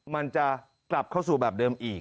มันจะกลับเข้าสู่แบบเดิมอีก